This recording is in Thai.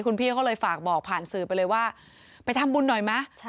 คุณพี่เขาเลยฝากบอกผ่านสื่อไปเลยว่าไปทำบุญหน่อยไหม